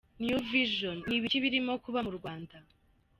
New Vision: N’ibiki birimo kuba mu Rwanda?